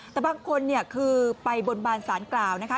แต่บางคนเนี่ยคือไปบนบานสารกล่าวนะคะ